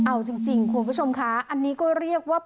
เอาจริงคุณผู้ชมคะอันนี้ก็เรียกว่า